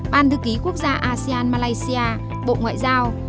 ban thư ký quốc gia asean malaysia bộ ngoại giao